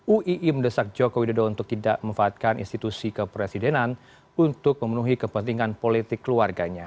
uii mendesak joko widodo untuk tidak memanfaatkan institusi kepresidenan untuk memenuhi kepentingan politik keluarganya